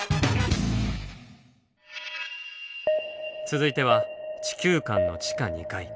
続いては地球館の地下２階。